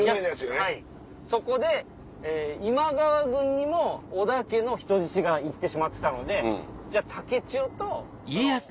はいそこで今川軍にも織田家の人質が行ってしまってたので。